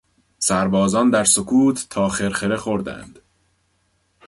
سربازان در سکوت تا خرخره خوردند.